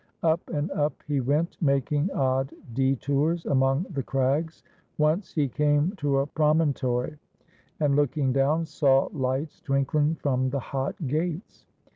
Up and up he went, making odd detours among the crags. Once he came to a promontory, and, looking down, saw hghts twinkling from the Hot Gates.